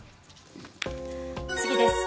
次です。